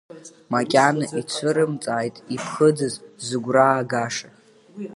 Макьана ицәырымҵааит, иԥхыӡыз, зыгәра аагаша…